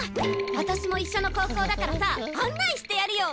あたしも一緒の高校だからさ案内してやるよ。